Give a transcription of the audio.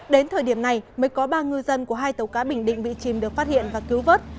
đến thời điểm này mới có ba ngư dân của hai tàu cá bình định bị chìm được phát hiện và cứu vớt